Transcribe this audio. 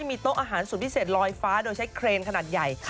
มีโต๊ะอาหารสุดพิเศษลอยฟ้าโดยใช้เครนขนาดใหญ่